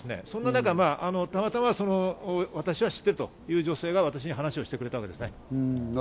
そんな中、たまたま私は知っているという女性が私に話をしてくれたんですね。